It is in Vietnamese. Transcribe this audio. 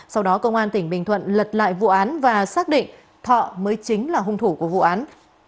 sau đó công an tỉnh bình thuận lật lại vụ án và xác định thọ mới chính là hung thủ của vụ án